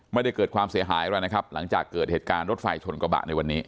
ไม่ได้เกิดความเสียหายอะไรนะครับหลังจากเกิดเหตุการณ์รถไฟชนกระบะในวันนี้